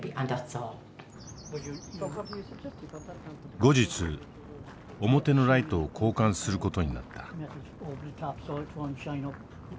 後日表のライトを交換する事になった。